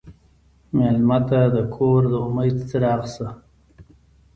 مېلمه ته د کور د امید څراغ شه.